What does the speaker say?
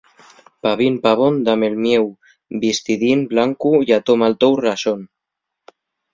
Pavín, pavón, dame'l mieu vistidín blancu ya toma'l tou raxón.